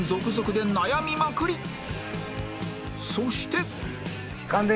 そして